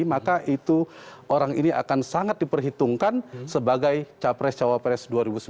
maka itu orang ini akan sangat diperhitungkan sebagai capres cawapres dua ribu sembilan belas